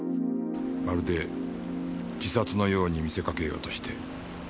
まるで自殺のように見せかけようとして。